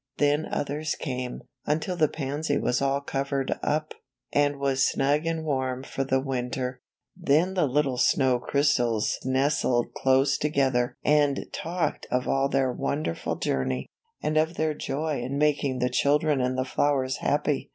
Then others came, until the pansy was all covered up, and was snug and warm for the winter. Then the little snow crystals nestled THE FIRST SNOW STORM. 147 close together and talked of all their wonderful journey, and of their joy in making the chil dren and the flowers happy.